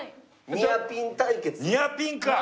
ニアピン？